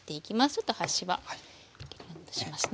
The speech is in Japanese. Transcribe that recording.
ちょっと端は切り落としますね。